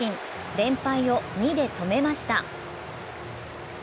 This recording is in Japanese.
連敗を２で止めました。